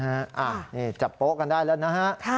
นี่จับโป๊ะกันได้แล้วนะฮะ